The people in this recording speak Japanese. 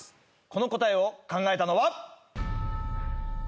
この答えを考えたのは。